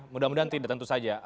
mudah mudahan tidak tentu saja